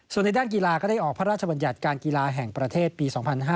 ส่วนในด้านกีฬาก็ได้ออกพระราชบัญญัติการกีฬาแห่งประเทศปี๒๕๕๙